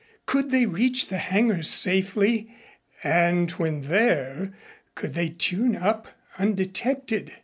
Could they reach the hangar safely, and when there could they tune up undetected?